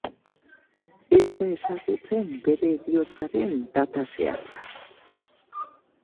Ez da ezagutzen bere heriotzaren data zehatza.